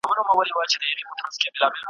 لاري کوڅې به دي له سترګو د اغیاره څارې,